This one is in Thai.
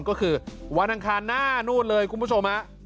ก็คือวันอังคารหน้านู่นเลยคุณผู้ชมฮะ